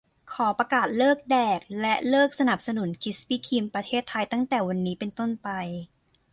ขอประกาศเลิกแดกและเลิกสนับสนุนคริสปี้ครีม ประเทศไทย ตั้งแต่วันนี้เป็นต้นไป